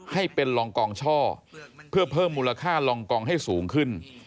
ให้เป็นรองกองช่อเพื่อเพิ่มมูลค่าลองกองให้สูงขึ้น